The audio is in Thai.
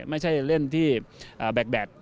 ไม่ใช่เล่นที่แบต